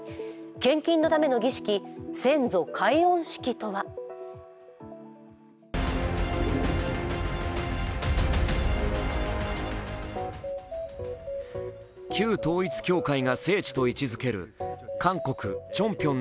献金のための儀式、先祖解怨式とは旧統一教会が聖地と位置づける韓国・チョン